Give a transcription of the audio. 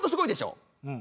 うん。